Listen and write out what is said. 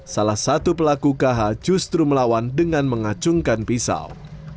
salah satu pelaku kh justru melawan dengan mengacungkan pisau